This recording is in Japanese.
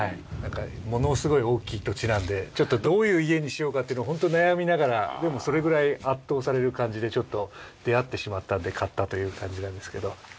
ものすごい大きい土地なんでちょっとどういう家にしようかっていうのを本当悩みながらでもそれぐらい圧倒される感じで出会ってしまったんで買ったという感じなんですけど。